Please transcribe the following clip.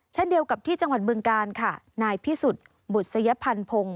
เช่นเดียวกับที่จังหวัดเมืองกาลค่ะนายพี่สุดบุษยภัณฑ์พงศ์